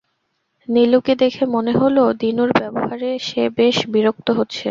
নীলুকে দেখে মনে হলো দিনুর ব্যবহারে সে বেশ বিরক্ত হচ্ছে।